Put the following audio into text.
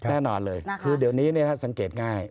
แน่นอนเลยคือเดี๋ยวนี้ถ้าสังเกตง่าย